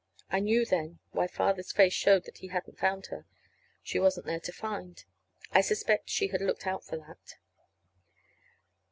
I knew then why Father's face showed that he hadn't found her. She wasn't there to find. I suspect she had looked out for that.